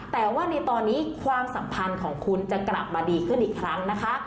แต่ว่าในตอนนี้ความสัมพันธ์ของคุณจะกลับมาดีขึ้นอีกครั้งนะคะ